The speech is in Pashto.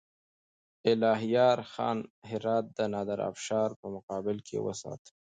الهيار خان هرات د نادرافشار په مقابل کې وساته.